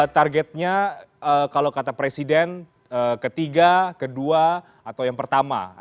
targetnya kalau kata presiden ketiga kedua atau yang pertama